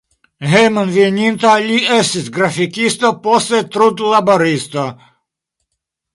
Hejmenveninta li estis grafikisto, poste trudlaboristo.